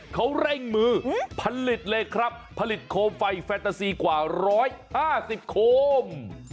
เขาเร่งมือผลิตเลยครับผลิตโคมไฟแฟนตาซีกว่า๑๕๐โคม